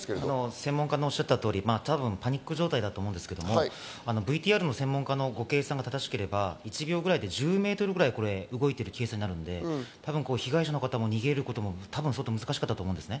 専門家がおっしゃった通り、パニック状態だと思うんですけど、ＶＴＲの専門家の計算が正しければ、１秒で１０ｍぐらい動いてる計算なので、被害者の方も逃げることも難しかったと思います。